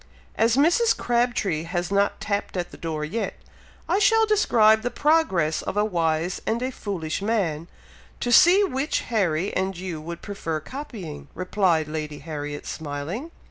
"As Mrs. Crabtree has not tapped at the door yet, I shall describe the progress of a wise and a foolish man, to see which Harry and you would prefer copying," replied Lady Harriet, smiling.